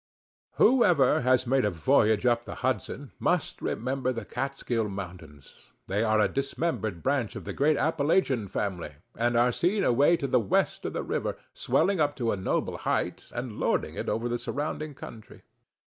Whoever has made a voyage up the Hudson must remember the Kaatskill mountains. They are a dismembered branch of the great Appalachian family, and are seen away to the west of the river, swelling up to a noble height, and lording it over the surrounding country.